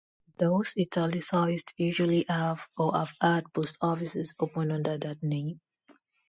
Those italicised usually have, or have had, Post Offices open under that name.